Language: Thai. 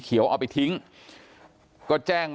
กลุ่มตัวเชียงใหม่